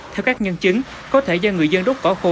theo các nhân chứng có thể do người dân đốt cỏ khô